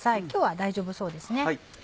今日は大丈夫そうですね。